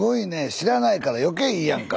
知らないから余計いいやんか。